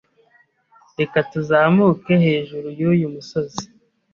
Reka tuzamuke hejuru yuyu musozi.